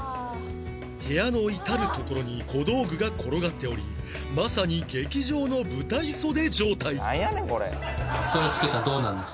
部屋の至る所に小道具が転がっておりまさに「なんやねん？